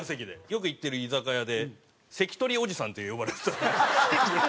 よく行ってる居酒屋で「席取りオジさん」って呼ばれてたんです。